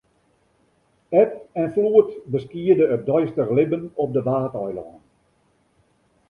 Eb en floed beskiede it deistich libben op de Waadeilannen.